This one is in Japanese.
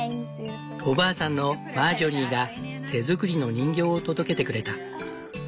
おばあさんのマージョリーが手作りの人形を届けてくれた。